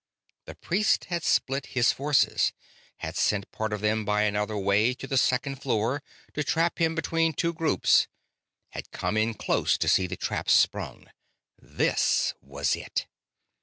The priest had split his forces; had sent part of them by another way to the second floor to trap him between two groups; had come in close to see the trap sprung. This was it.